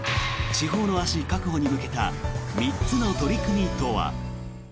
地方の足確保に向けた３つの取り組みとは。